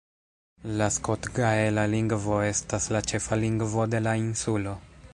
La skotgaela lingvo estas la ĉefa lingvo de la insulo.